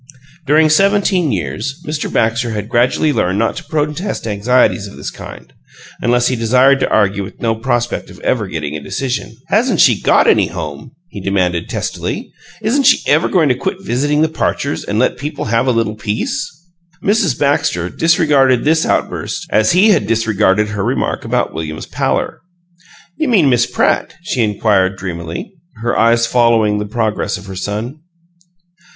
During seventeen years Mr. Baxter had gradually learned not to protest anxieties of this kind, unless he desired to argue with no prospect of ever getting a decision. "Hasn't she got any HOME?" he demanded, testily. "Isn't she ever going to quit visiting the Parchers and let people have a little peace?" Mrs. Baxter disregarded this outburst as he had disregarded her remark about William's pallor. "You mean Miss Pratt?" she inquired, dreamily, her eyes following the progress of her son.